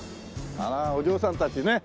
あらお嬢さんたちねっ。